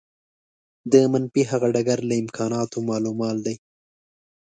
د منفي هغه ډګر له امکاناتو مالامال دی.